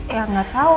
ya gak tau